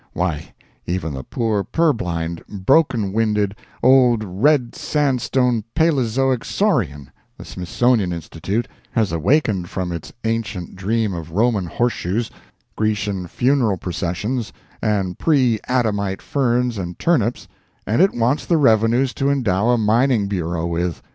Why, even the poor purblind, broken winded, Old Red Sandstone palezoic saurian, the Smithsonian Institute, has awakened from its ancient dream of Roman horseshoes, Grecian funeral processions, and pre Adamite ferns and turnips, and it wants the revenues to endow a Mining Bureau with!